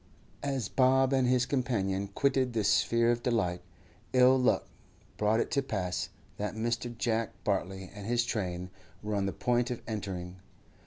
As Bob and his companion quitted this sphere of delight, ill luck brought it to pass that Mr. Jack Bartley and his train were on the point of entering.